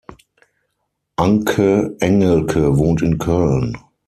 Anke Engelke wohnt in Köln.